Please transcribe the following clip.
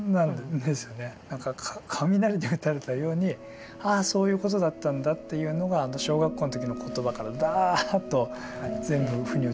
何か雷に打たれたようにああそういうことだったんだっていうのがあの小学校の時の言葉からダーッと全部腑に落ちるっていう。